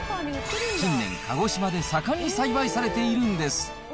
近年、鹿児島で盛んに栽培されているんです。